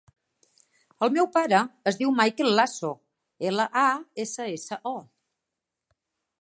El meu pare es diu Mikel Lasso: ela, a, essa, essa, o.